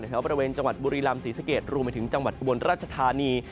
แถวบริเวณจังหวัดบุรีลำศรีสะเกดรวมไปถึงจังหวัดอุบลราชธานี